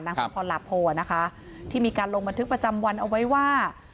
สมพรหลาโพนะคะที่มีการลงบันทึกประจำวันเอาไว้ว่า